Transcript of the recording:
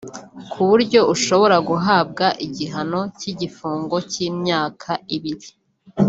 ku buryo ushobora guhabwa igihano cy’igifungo cy’imyaka ibiri